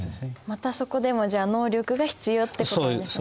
またそこでもじゃあ能力が必要ってことですね。